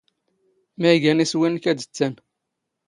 ⵎⴰⴷ ⵉⴳⴰⵏ ⵉⵙⵡⵉ ⵏⵏⴽ ⴰⴷⵜⵜⴰⵏ?